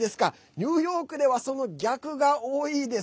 ニューヨークではその逆が多いです。